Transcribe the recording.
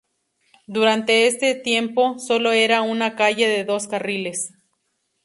Durante ese tiempo, sólo era una calle de dos carriles.